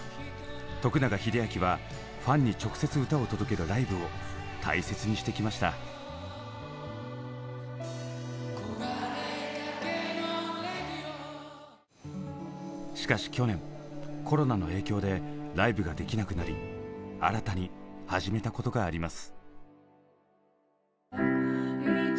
永明はファンに直接歌を届けるしかし去年コロナの影響でライブができなくなり新たに始めたことがあります。